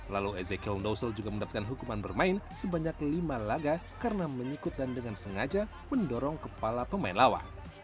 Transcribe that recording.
lalu ezekiel dousel juga mendapatkan hukuman bermain sebanyak lima laga karena mengikut dan dengan sengaja mendorong kepala pemain lawan